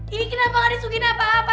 ini kenapa gak disungin apa apa